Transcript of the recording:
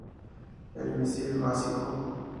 El misil básico.